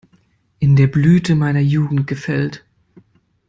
In der Blüte meiner Jugend gefällt.